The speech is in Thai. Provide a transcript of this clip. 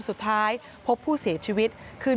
สุดท้ายพบผู้เสียชีวิตขึ้น